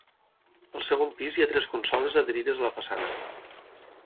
Al segon pis hi ha tres consoles adherides a la façana.